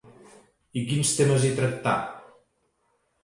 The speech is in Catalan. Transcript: I quins temes hi tractà?